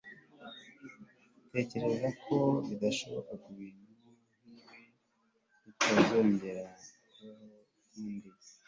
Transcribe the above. ntekereza ko bidashoboka ko ibintu nkibi bitazongera kubaho ukundi